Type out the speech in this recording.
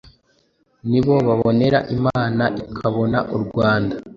Ni bo babonera Imana, Ikabona u Rwanda.